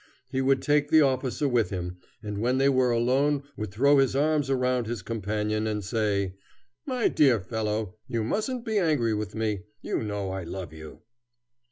He would take the officer with him, and when they were alone would throw his arms around his companion, and say, "My dear fellow, you mustn't be angry with me, you know I love you."